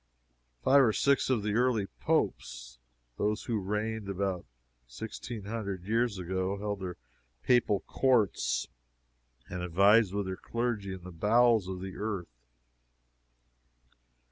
Five or six of the early Popes those who reigned about sixteen hundred years ago held their papal courts and advised with their clergy in the bowels of the earth.